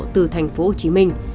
từ thành phố hồ chí minh